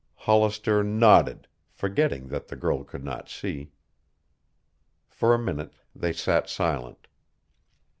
Hollister nodded, forgetting that the girl could not see. For a minute they sat silent.